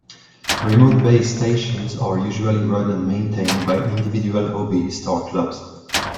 Remote base stations are usually run and maintained by individual hobbyists or clubs.